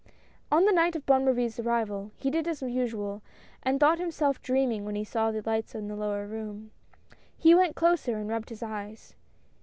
On the night of Bonne Marie's arrival, he did as usual, and thought himself dreaming when he saw the light in the lower room. He went closer and rubbed his eyes.